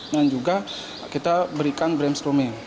dan juga kita berikan brainstorming